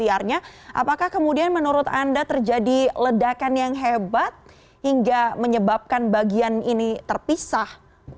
apakah kemudian menurut anda terjadi ledakan yang hebat hingga menyebabkan bagian ini terpisah